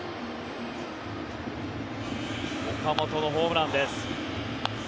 岡本のホームランです。